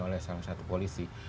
oleh salah satu polisi